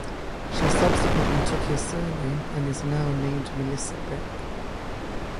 She subsequently took his surname, and is now named Melissa Beck.